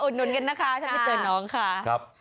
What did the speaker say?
นุนกันนะคะถ้าไม่เจอน้องค่ะ